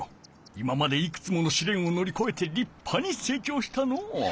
今までいくつものしれんをのりこえてりっぱに成長したのう！